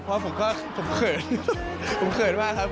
เพราะผมเขินมากครับ